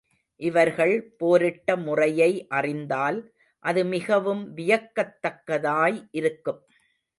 இவர்கள் போரிட்ட முறையை அறிந்தால், அது மிகவும் வியக்கத்தக்கதாய் இருக்கும்.